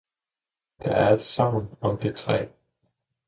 Der er et sagn om det træ